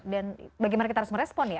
dan bagaimana kita harus merespon ya